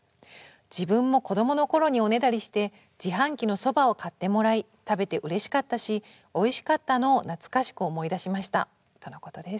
自分も子供の頃におねだりして自販機のそばを買ってもらい食べてうれしかったしおいしかったのを懐かしく思い出しました」とのことです。